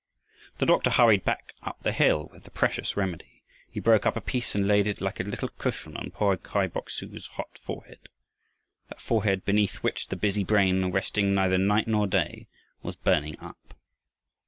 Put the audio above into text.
The doctor hurried back up the hill with the precious remedy. He broke up a piece and laid it like a little cushion on poor Kai Bok su's hot forehead; that forehead beneath which the busy brain, resting neither day nor night, was burning up.